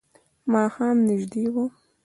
ماښام نژدې و.